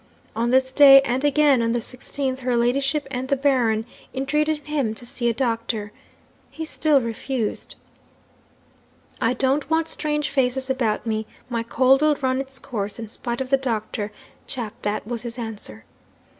On this day, and again on the 16th, her ladyship and the Baron entreated him to see a doctor. He still refused. "I don't want strange faces about me; my cold will run its course, in spite of the doctor," that was his answer.